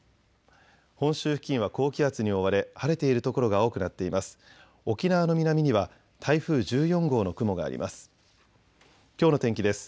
本州付近は高気圧に覆われ晴れている所が多くなっています。